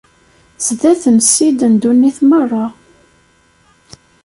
Sdat n Ssid n ddunit merra.